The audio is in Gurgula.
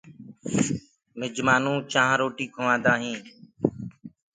مِهمآنو چآنه روٽيٚ کُوآندآ هينٚ